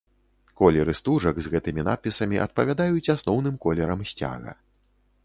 Колеры стужак з гэтымі надпісамі адпавядаюць асноўным колерам сцяга.